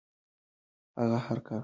هغه هر کار وکړ.